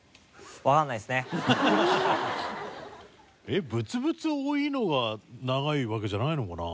えっブツブツ多いのが長いわけじゃないのかな？